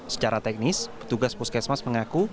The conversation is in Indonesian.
secara teknis petugas puskesmas mengaku